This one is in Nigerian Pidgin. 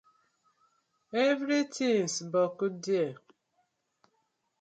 Everytins boku there.